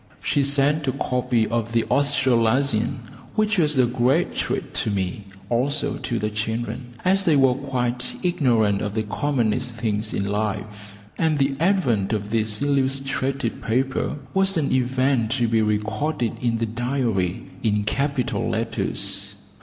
She sent a copy of the Australasian, which was a great treat to me, also to the children, as they were quite ignorant of the commonest things in life, and the advent of this illustrated paper was an event to be recorded in the diary in capital letters.